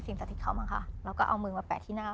สิ่งสักทิศเขามาค่ะแล้วก็เอามือมาแปะ